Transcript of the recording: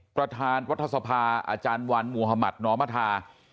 ประธานรัฐสภาอาจารย์วันมุธมัธนอมธา